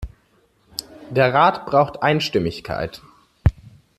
Der Rat braucht Einstimmigkeit.